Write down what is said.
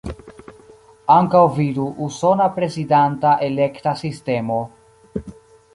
Ankaŭ vidu Usona Prezidanta Elekta Sistemo.